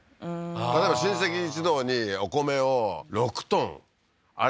例えば親戚一同にお米を６ｔあれ